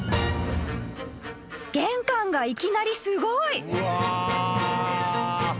［玄関がいきなりすごい］